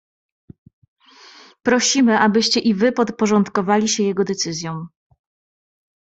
"Prosimy, abyście i wy podporządkowali się jego decyzjom."